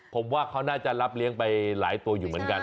ผมว่าเขาน่าจะรับเลี้ยงไปหลายตัวอยู่เหมือนกัน